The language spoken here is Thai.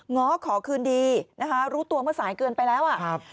ง้อขอคืนดีนะคะรู้ตัวเมื่อสายเกินไปแล้วอ่ะครับ